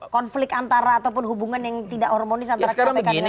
konflik antara ataupun hubungan yang tidak hormonis antara kpk dan polri ini